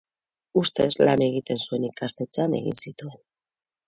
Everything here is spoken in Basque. Ustez, lan egiten zuen ikastetxean egin zituen.